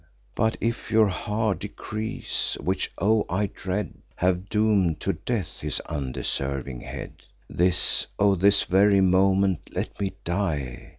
But if your hard decrees—which, O! I dread— Have doom'd to death his undeserving head; This, O this very moment, let me die!